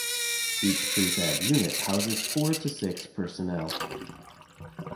Each prefab unit houses four to six personnel.